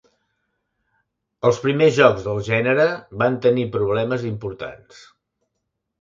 Els primers jocs del gènere van tenir problemes importants.